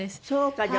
そうか。